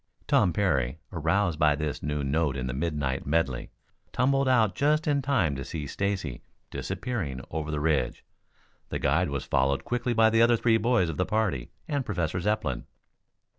Tom Parry, aroused by this new note in the midnight medley, tumbled out just in time to see Stacy disappearing over the ridge. The guide was followed quickly by the other three boys of the party and Professor Zepplin.